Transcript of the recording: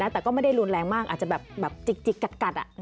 แต่ก็ไม่ได้รุนแรงมากอาจจะแบบจิกกัด